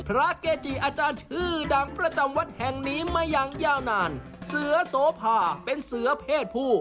เกจิอาจารย์ชื่อดังประจำวัดแห่งนี้มาอย่างยาวนานเสือโสภาเป็นเสือเพศผู้